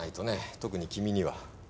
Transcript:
特に君には。